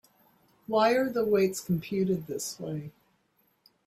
Why are the weights computed this way?